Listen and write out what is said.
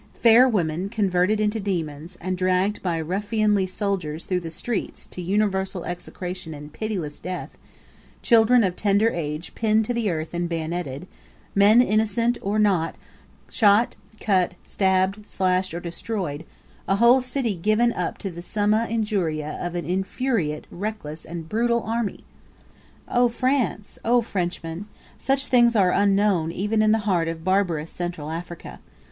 Fair women converted into demons, and dragged by ruffianly soldiery through the streets to universal execration and pitiless death; children of tender age pinned to the earth and bayoneted; men innocent or not, shot, cut, stabbed, slashed, destroyed a whole city given up to the summa injuria of an infuriate, reckless, and brutal army! Oh France! Oh Frenchmen! Such things are unknown even in the heart of barbarous Central Africa.